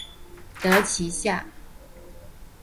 得其下